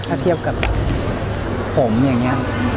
ถ้าเทียบกับผมอย่างนี้